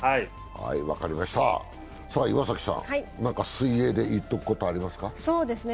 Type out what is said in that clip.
岩崎さん、何か水泳で言っておくことはありますか？